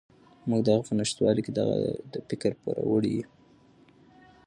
موږ د هغه په نشتوالي کې د هغه د فکر پوروړي یو.